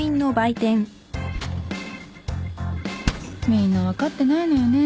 みんな分かってないのよね